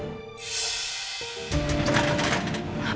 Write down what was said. lo masih bahaya gak